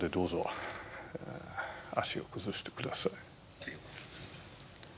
ありがとうございます。